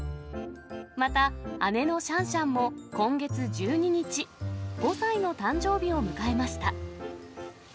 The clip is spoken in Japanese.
また、姉のシャンシャンも、今月１２日、５歳の誕生日を迎えました。